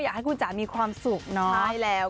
อยากให้คุณจ๋ามีความสุขเนาะใช่แล้ว